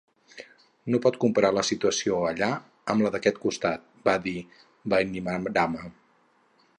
"No pot comparar la situació allà amb la d'aquest costat", va dir Bainimarama.